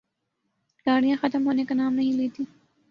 گاڑیاں ختم ہونے کا نام نہیں لیتیں۔